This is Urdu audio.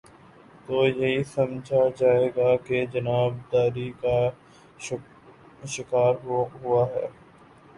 تو یہی سمجھا جائے گا کہ جانب داری کا شکار ہوا ہے۔